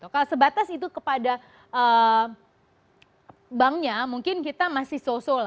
kalau sebatas itu kepada banknya mungkin kita masih so so